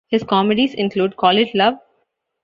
His comedies include Call It Love?